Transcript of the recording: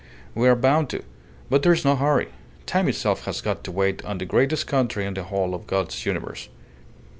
We are bound to. But there's no hurry. Time itself has got to wait on the greatest country in the whole of God's Universe.